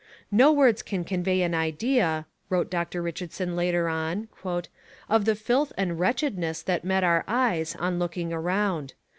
'No words can convey an idea,' wrote Dr Richardson later on, 'of the filth and wretchedness that met our eyes on looking around.